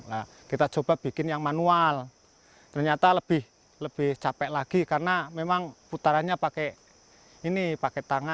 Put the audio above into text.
nah kita coba bikin yang manual ternyata lebih lebih capek lagi karena memang putarannya pakai ini pakai tangan